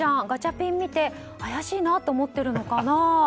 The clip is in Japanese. ガチャピン見て怪しいなと思ってるのかな？